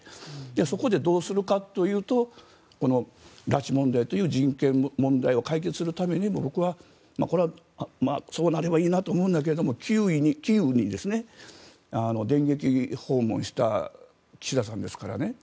そこでどうするかというと拉致被害という人権問題を解決するためにも僕は、これはそうなればいいなと思うんだけれどもキーウに電撃訪問した岸田さんですからね。